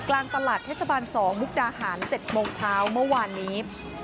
กลางตลาดเทศบาล๒มุกดาหาร๗โมงเช้าเมื่อวานนี้